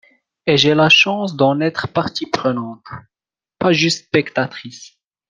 Et j’ai la chance d’en être partie prenante, pas juste spectatrice.